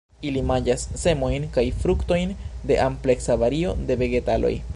Ili manĝas semojn kaj fruktojn de ampleksa vario de vegetaloj.